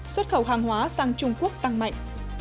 xuất khẩu hàng hóa sang trung quốc tăng mạnh